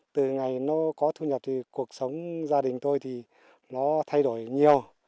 từ ngày nó có thu nhập thì cuộc sống gia đình tôi thì nó thay đổi nhiều